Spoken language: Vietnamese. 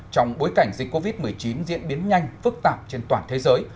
trong bối cảnh dịch covid một mươi chín diễn biến nhanh phức tạp trên toàn thế giới